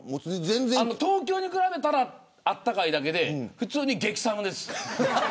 東京に比べたら暖かいだけで普通に激寒です。